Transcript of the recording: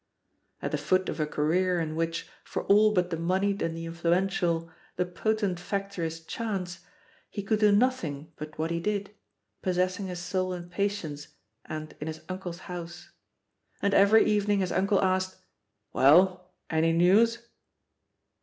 At the foot of a career in which, for all but the moneyed and the influential, the potent factor is Chance, he could do nothing but what he did, possessing his soul in patience, and in his uncle's house. And every evening his uncle asked, *Well, any news?"